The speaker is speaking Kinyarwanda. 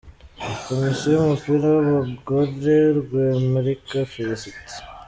Komisiyo y’umupira w’abagore : Rwemarika Félicitée.